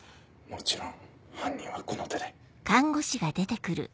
もちろん犯人はこの手で。